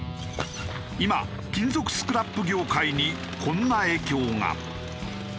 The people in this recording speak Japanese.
今金属スクラップ業界にこんな影響が。